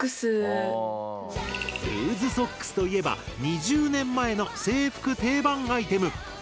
ルーズソックスといえば２０年前の制服定番アイテム。